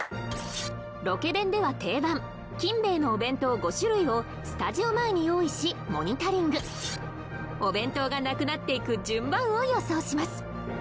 ロケ弁では定番金兵衛のお弁当５種類をスタジオ前に用意しモニタリングお弁当がなくなっていく順番を予想します